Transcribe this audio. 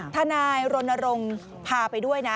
ทนายรณรงค์พาไปด้วยนะ